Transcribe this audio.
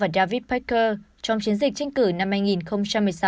david pecker trong chiến dịch tranh cử năm hai nghìn một mươi sáu